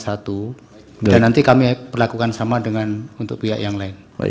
dan nanti kami akan melakukan sama untuk pihak yang lain